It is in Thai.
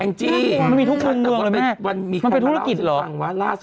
อันนี้มาเป็นลักษณะทุกข้ณ์เมืองเลยแม่